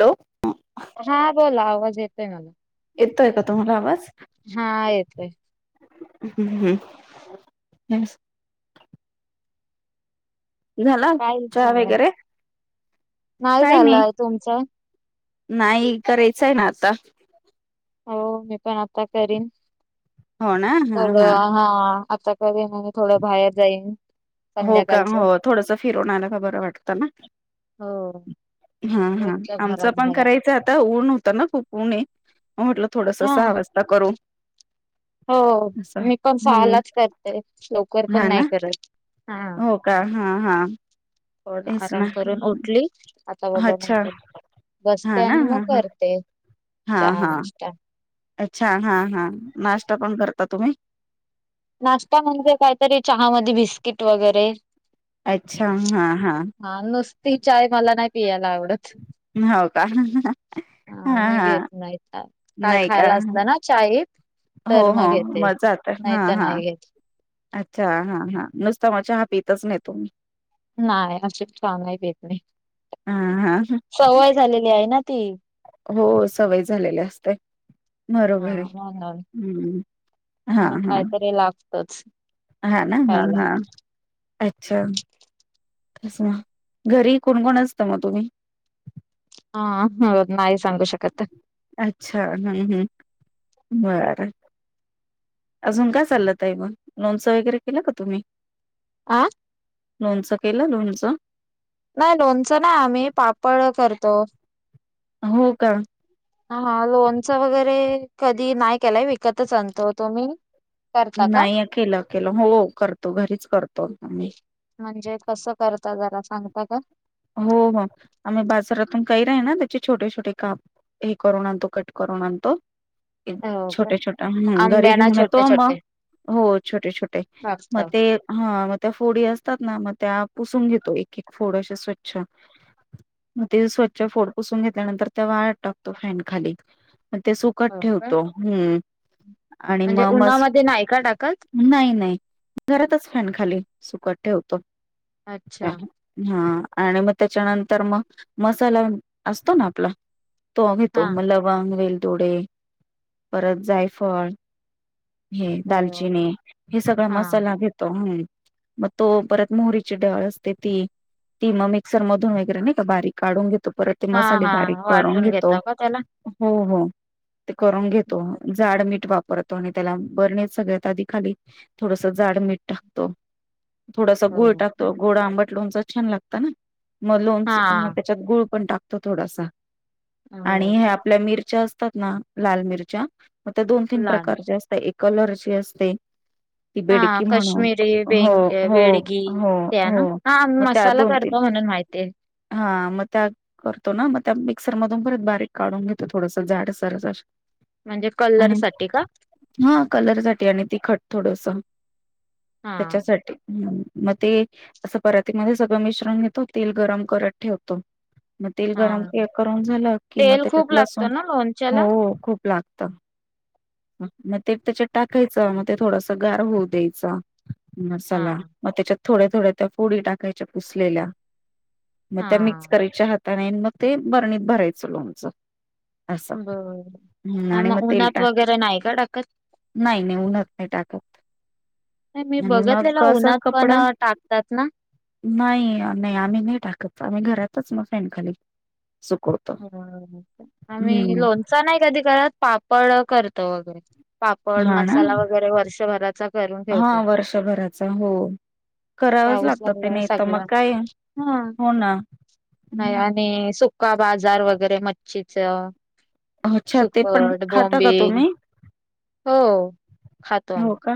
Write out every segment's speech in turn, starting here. Hello हा बोला आवाज येतोय मला येतोय का तुम्हाला आवाज. हा येतोय. हम्म ह् झाल काय चहा चाललंय वगैरे काय नाही. झालंय तुमचं नाही करायचं आहे ना आता. हो मी पण आता करीन हो ना हा डं हा आता ये आणि थोडं बाहेर जाईल हो का हो थोडंस फिरवून आल का बरं वाटतं ना हो हा हा रोजच्या आमच घरात पण घरात कराय आता ऊन होत ना खूप उणे म म्हटलं थोडस हा सहावाजता करू. हो असं मी पण हम्म सहालाच करते लवकर हा पण नाही ना करत. हो का हा हा थोड तेच ना आराम करून उठली. आता अच्छा बोलनंतर हा बसते ना आणि मग हा हा करते हा चहा हा नष्टता अच्छा हा हा नाश्ता पण करता तुम्ही? नाश्ता म्हणजे कायतरी चहा म बिस्किट वगैरे अच्छा हां हा हा नुसती चाय मला नाही पियायला आवडत. हो का हा मी घेत नाही तर काय नाही खायला का असलं ना चीईत हो हो माझं आता हां तर हां. नाही घेत अच्छा! हां हां नुसता मग चहा पितच नाही तुम्ही. नाही अशीच चहा नाही पित मी, हां, हां. सवय झालेली आहे ना ती. हो सवय झालेली असते. हा बरोबर आहे म्हणून हम्म हां म्हणून हां. काहीतरी लागतच हां ना हां खायला हां. अच्छा! असं घरी कोणकोण असतं मग तुम्ही? आं हां नाही सांगू शकत ते. अच्छा! हम्म हम्म बरं. अजून काय चाललंय ताई मग, लोणचं वगैरे केलं का तुम्ही? आं? लोणचं केलं लोणचं? नाही लोणचं नाही आम्ही पापड करतो. हो का? हां लोणचं वगैरे कधी नाही केलाय विकतच आणतो. तुम्ही? करता का? नाही अ केेलं, केलं हो करतो घरीच करतो मी. म्हणजे कसं करता जरा सांगता का? हो हो आम्ही बाजारातून कैरी आहे ना त्याचे छोटे छोटे काप हे करून आणतो कट करून आणतो. हो का छोटं छोटं घरी आंब्याना घेऊन छोटे येतो, मग छोटे हो छोटे छोटे कापता मग ते हां त्या फोडी असतात ना मग त्या पुसून घेतो एक एक फोड अशे स्वच्छ मग ते स्वच्छ फोड पुसून घेतल्यानंतर त्या वाळत टाकतो फॅन खाली, मग ते सुक त हो का? ठेवतो हम्म आणि म्हणजे मग मस उन्हामध्ये नाही का टाकत? नाही नाही घरातच फॅन खाली सुकत ठेवतो. अच्छा हां आणि मग त्याच्यानंतर मग मसाला असतो ना आपला तो घेतो हा. मग लवंग, वेलदोडे परत जायफळ हे हो. दालचिनी हे सगळा हा मसाला घेतो. हम्म मग तो परत मोहरीची डाळ असते ती ती मग मिक्सर मधून वगैरे नाही का बारीक काढून घेत तो परत ते हा मसाले बारीक हा करून वाटून घेतो घेता का त्याला? हो हो. ते करून घेतो जाड मीठ वापरतो आणि त्याला बरणीत सगळ्यात आधी खाली थोडसं जाड मीठ टाक तो थोडासा हो गुळ ना. टाकतो गोड आंबट लोणचं छान लागतं ना. मग लोणचं हा. मग त्याच्यात गुळ पण टाकतो थोडासा. हो आणि ह्या का? आपल्या मिरच्या असतात ना लाल मिरच्या मग ते दोन तीन लाल प्रकारचे असतं, एक कलरची असते. ती हां बेडकी म्हणून काश्मीरी हो बेंग हो बेडगी हो ते आहे ना? हो हां मसाला करतो म्हणून माहिती आहे. हां मग त्या करतो ना मग त्या मिक्सर मधून परत बारीक काढून घेतो थोडसं जाडसरच असं. म्हणजे कलरसाठी का? हां कलर साठी आणि तिखट थोडसं, हा त्याच्यासाठी मग ते असं परातीमध्ये सगळं मिश्रण घेतो तेल गरम करत ठेवतो. तेल हा गरम करून झालं की मग तेल खूप त्याच्यात लसूण लागतं ना हो लोणच्याला? हो खूप लागतं क्तंम मंग ते त्यांच्यात टाकायचं मंग ते थोडंसं गांर होऊं द्यायचं हा मसांला मंग त्यांच्यात थोड्यां थोड्यां त्यां फोडी टाकांयच्या पुसलेल्या मंग त्यां मिक्स हा करांयच्या हातांने मंग ते बरणीत भरांयचं लोंणचं बरं मंग उन्हांत वगैरें नाहीं कां टाकतं नाहीं नाहीं उन्हांच नाहीं टाकतं नाहीं मी बघितलेला उन्हांत पणं टाकतांत नां नाहीं नाहीं आम्हीं नाहीं टाकतं आम्हीं घरांतच नां फॉन खांली सुंकू हो आम्हीं लोणचं नाहीं कधीं करतं पापड करतो वगैरें पापड हा ना मसांला वगैरें वर्षभरांचा करूंन हा ठेवतो वर्षभराचा हो करावंच पाऊस लागतं ते लागंला नाही तर मग सगळं काय हां हो ना नाहीं हम्म. आणि सुकां बाजांर वगैरें मच्छीचं अच्छा ते पण सुकटं खाता का बोबीव तुम्ही हो खांतो हो आम्हीं का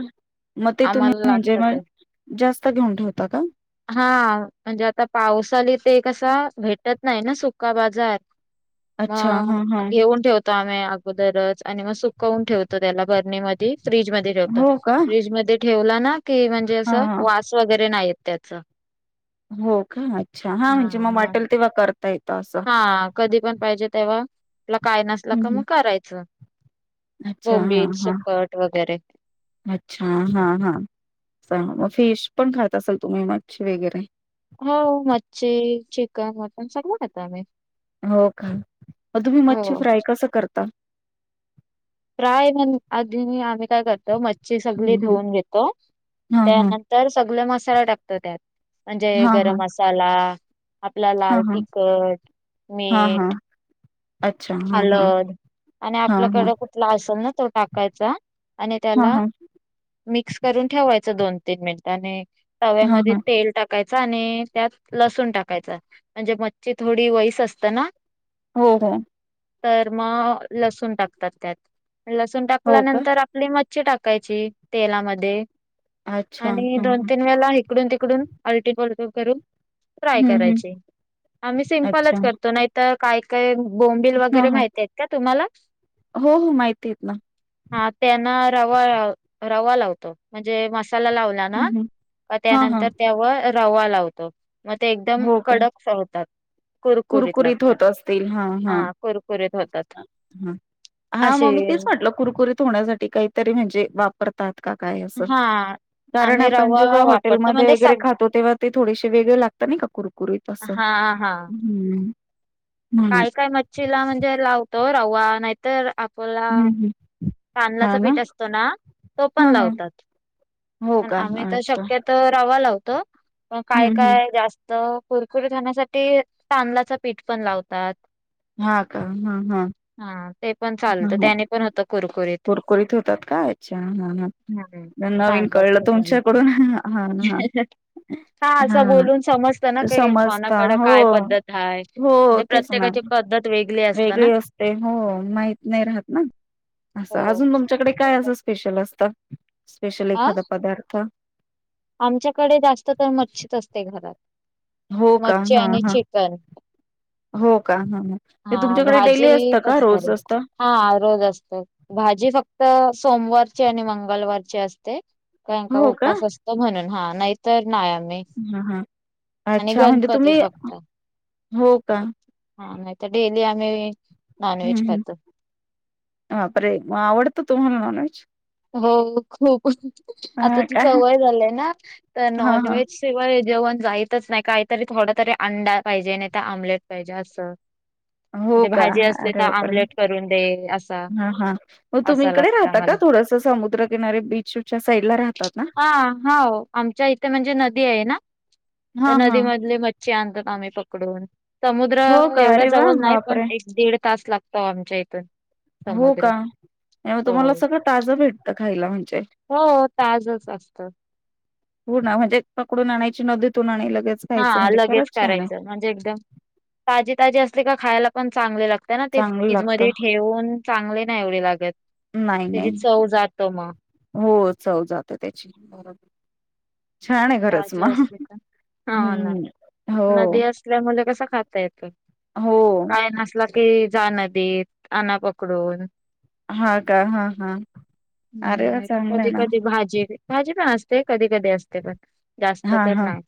मग ते तुम्हीं म्हणजे मंग जास्तं घेऊंन ठेवतांत कां हां म्हणजे आंता पावसाली ते कसां भेटतं नाहीं नां सुकां बाजांर अच्छा मं हा हा घेऊंन ठेवतो मं अगोदरचं आणि मंग सुंकवूंन ठेवतो त्यांला बरणी मं फ्रीज मध्यें हो का फ्रीज मध्यें ठेवलां नां की म्हणजे हा असं हा वांस वगैरें नाहीं येतं त्यांचा हो कां अच्छा हां म्हणजे मंग वाटेल तेव्हां करतां येतं असं हां कधीं पणं पाहिजे तेव्हां आपलां कायं नसलं हम्म, कां हम्म. मंग तेंव्हां करायचं अच्छा हा बोंबिल हा सुकटं वगैरें अच्छा हां हां मंग फिश पणं खातं असांल तुम्हीं मच्छी वगैरें हो मच्छी चिकन मटंन सगळं खातं आम्हीं हो कां मंग तुम्हीं मच्छी फ्रांय कसं करतां फांय आंधी आम्हीं कायं करतो मच्छी सगळी हम्म, हम्म. धुऊंन घेतो हा हा त्यांनंतर तरं सगळं मसांला टाकतो त्यांत म्हणजे हा हा गरमं मसांला आपलां हा लांल हा तिखंट हा हा मीठ अच्छा हां, हां. हलंद आणि हां, हां. आपल्याकडं कुंठ त्यांला असलं नां तो टाकांयचा आणि हां, त्यांला हां. मिक्सं करूंन ठेवायचं दोन तीनं मिनिटं आणि हां, तव्यांमध्ये हां. तेल टाकूंन टाकांयचा आणि त्यांतन लसूणं टाकांयचा म्हणजे मच्छी थोडी वैस असतं नां हो हो तरं मंग लसूणं टाकतांत त्यांत लसूणं हो का? टाकल्यानंतर आपली मच्छ टाकांयची तेलांमध्यें अच्छा. आणि हां, दोन हां. तीनं वेळेलां ईकडूंन तिकडूंन आंलटी पलटी करूंन फांय हं, हं. करांयची आम्हीं अच्छा. सिम्पलच करतो नाहींत कायं कायं बोंबिल हां, वगैरें हां. माहित कां तुम्हांला चं हो हो माहिती आहेतं नां मलां हां त्यांना रवां रवां लावतो म्हणजे मसांला हं, लावंला हं. हां, हां. त्यांनंतर त्यांवर रवां लावतो मंग ते एकदंम हो का? कडक सं होतांत कुरकुरीत होतं असतील हां हा कुरकुरीत होतात हं हां असे मम्मी तेचं म्हटलं कुरकुरीत होण्यांसाठी कांहींतरी म्हणजे वापरतांत कां कायं ही तरी असं हा कारणं आम्ही आपणं रवा जेव्हां वापरतो हॉटेलमध्यें म्हणजे वगैरें सग खातो तेव्हां ते थोडेसे वेगळे लागतांत नाहीं कां कुरकुरीत हां हां हम्म. काय काय मच्छीला म्हणजे लावतो रवा नाहीत. तर आपोला हं, हं. तांदलाच पीठ असतो ना तो पण हां, हां. लावतात. हो पण का? आम्ही तर अच्छा. शक्यतो रवा लावतो पण काय हं, हं. काय जास्त कुरकुरीत होण्यासाठी तांदलाच पीठ पण लावतात. हा का? हम् हम्. हा ते पण चालतं, त्याने पण होत कुरकुरीत. कुरकुरीत होतात का? अच्छा हं हं. हम्म नन नवीन तांदळाचं कळलं पीठ लावलं की. तुमच्याकडून हां हा हा हा. हा आसं बोलून समजत ना की, समजता कोणाकडं हो काय पद्धत हाय. हो म्हणजे तेच ना प्रत्येकाची पद्धत असते ना. वेगळी असते. हो माहित नाही राहत ना. असं हो. अजून तुमच्याकडे काय असं स्पेशल असतं स्पेशल हा एखादा पदार्थ? आमच्याकडे जास्त तर मच्छीच असते घरात हो का मच्छी हा आणि हा चिकन. हो का हं हं. ते हा तुमच्याकडे भाजी डेली असतं का? कधी तरी रोज असत? हा रोज असते भाजी फक्त सोमवारची आणि मंगळवारची असते. कारण का उपास असतो म्हणून हा नाहीतर नाही आम्ही हा हा आणि अच्छा म्हणजे गणपती तुम्ही फक्त हो का? हा नाही तर डेली आम्ही हुं नॉनव्हेज हुं खातो बापरे मग आवडतं तुम्हाला नॉन व्हेज? हो खूप आता हा ती का सवय झालीय ना तर हा नॉन हा व्हेज जेवण जाईतच ना नाही काहीतरी थोड तकारी अंडा पाहिजे नाही त्या आमलेट पाहिजे असं. हो म्हणजे का भाजी असली तर अरे बापरे आमलेट करून दे असा हा हा मग तुम्ही असं इकडे लागतं राहता आम्हाला का थोडस. तर समुद्रकिनारी बिच्छूच्या साईडला राहा. आ होव आमच्या इथे म्हणजे नदी आहे ना, त्या हां नदी हां. मधले म च्या आणतात आम्ही पकडून. समुद्र हो का? एवढ्या अरे वाह! जवळ नाही पण बापरे! एक दीड तास लागत तो आमच्या इथून हो समुद्र. का? नाही हो तुम्हाला सगळं ताजं भेटतं खायला म्हणजे. हो ताजच असत. हो ना म्हणजे पकडून आणायची नदीतून आणाय लगेच खायचं हा म्हणजे लगेच खरंच छान आहे. करायचं. म्हणजे एकदम ताजी ताजी असली का खायाला पण चांगले लागत. त्या ना ते चांगलं फ्रीज लागतं. मध्ये ठेवून चांगले नाही एवढे लागत. नाही त्याची नाही. चव जातं मग. हो चव जात त्याची. [unintelligible] छान आहे घरच ताजी मग. असली का. हम्म हो. लय मुले कसा खाता येत? हो. काय नसला ते जाणा देत आना पकडून. हा का? हा हा. अरे हम्म वा नाही तर चांगलं आहे कधी ना. कधी भाजी बे. भाजी पण असते. कधी कधी असते पण. जास्त हा तर हा. नाही.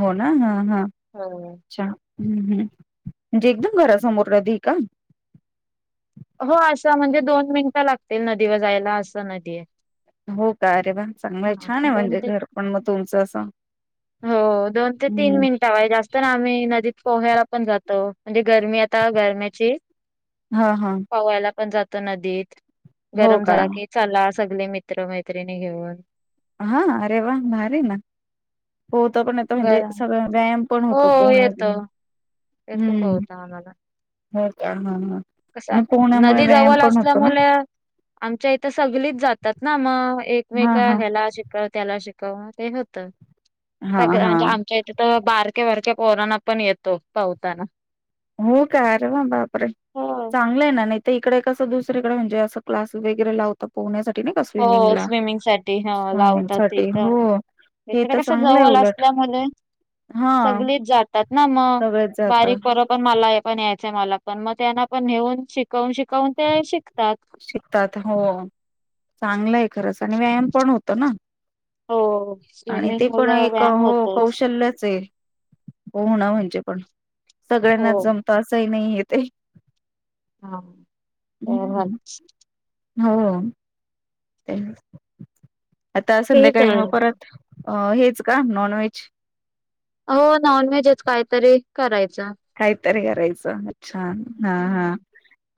हो ना? हा हा हो. अच्छा. हम्म हम्. म्हणजे एकदम घरासमोर राहती का? हो आसं म्हणजे, दोन मिनिटं लागतील नदीवर जायला असं नदी आहे. हो का? अरे व्वा चांगलंय, हा. छान आहे दोन म्हणजे ते घर पण मग तुमचं असं? हो दोन ते तीन हम्म. मिनिटा वय जास्त तर आम्ही नदीत पोह्यायला पण जातो म्हणजे गरमी आता गरम्याची. ह ह पोवायला पण जातो नदीत, हो गरम का? झाला की चला सगळे मित्र मैत्रिणी घेऊन. हा अरे वा भारी ना, पोहता पण येत म्हणजे, गरम सगळं व्यायाम पण हो होतो, येतो पोहण्यामुळं येतो हम्म, पोहता आम्हाला हो का ह ह कसा, नदी जवल असल्यामुल आमच्या इथं सगलीच जातात ना मग, हां, एकमेका हां. ह्याला अ त्याला शिकव ते होत. हां, सगळं हां. म्हणजे आमच्या इथं तर बारक्या बारक्या पोरना पण येतो पौवताना. हो का अरे वा बापरे, हो चांगलं आहे ना नाही तर इकडे कस दुसरेकडे म्हणजे असं क्लास वगैरे लाव हो स्विमिंग साठी ह लावतात स्विमिंगसाठी तिथं. हो. हे इकडे तर कस चांगलं आहे जवल उलट. असल्यामुले, हां, सगळीच जातात ना मग सगळेच बारीक जातात, पोरं पण मला यायचंय मला पण मग त्यांना पण नेऊन शिकवून शिकवून ते शिकतात. शिकतात हो चांगलं आहे खरंच, आणि व्यायाम पण होतो ना. हो आणि स्विमिंग ते पण मुलं एक व्यायाम हो होतोच कौशल्यच आहे. हो ना म्हणजे पण, हो सगळ्यांनाच जमत असंही नाहीये ते. हा हो हो हम्म [unintelligible] हो आता ठीक संध्याकाळी आहे. मग परत अ हेच का नॉन व्हेज. हो नॉनव्हेजच कायतरी करायचं. काहीतरी करायचं, अच्छा हा हा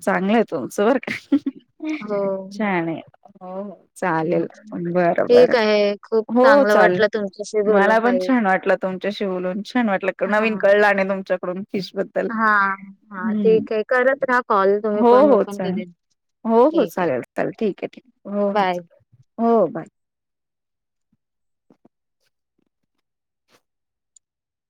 चांगलंय तुमचं बर का. हो. छान आहे. हो हो चालेल बरबर ठीक आहे. खूप हो चांगलं चालेल वाटलं तुमच्याशी मला बोलून पण ताई. छान वाटलं तुमच्याशी बोलून छान वाटलं, हा. नवीन कळला नाही तुमच्याकडून फिश हा हा हम्म ठीक आहे. करत राहा कॉल तुम्ही हो पण मी हो पण चालेल करेन. हो हो ठीक आहे. चालेल चालेल ठीके ठीके हो हो बाय. चालेल हो बाय.